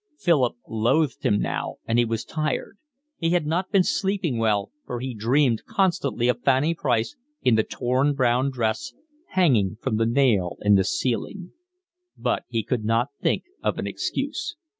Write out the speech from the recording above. Philip loathed him now and he was tired; he had not been sleeping well, for he dreamed constantly of Fanny Price in the torn brown dress, hanging from the nail in the ceiling; but he could not think of an excuse.